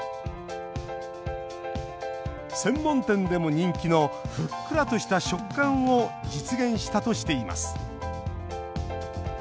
専門店でも人気のふっくらとした食感を実現したとしています。